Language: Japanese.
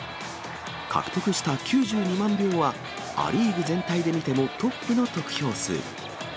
獲得した９２万票は、ア・リーグ全体で見ても、トップの得票数。